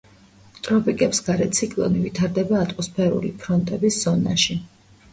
ტროპიკებსგარე ციკლონი ვითარდება ატმოსფერული ფრონტების ზონაში.